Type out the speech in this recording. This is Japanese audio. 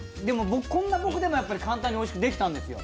こんな僕でも本当に簡単においしくできたんですよ。